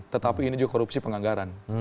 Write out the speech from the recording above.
tetapi ini juga korupsi penganggaran